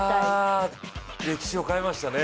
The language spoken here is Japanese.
歴史を変えましたね。